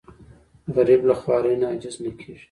غریب له خوارۍ نه عاجز نه کېږي